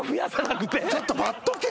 ちょっと待っとけ。